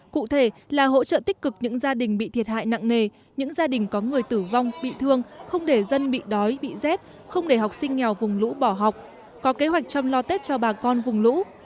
cụ thể là hỗ trợ tích cực những gia đình bị thiệt hại nặng nề những gia đình có người tử vong bị thương không để dân bị đói bị rét không để học sinh nghèo vùng lũ bỏ học có kế hoạch chăm lo tết cho bà con vùng lũ